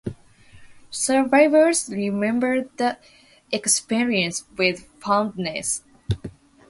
Survivors remember the experience with fondness.